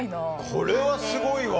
これはすごいわ。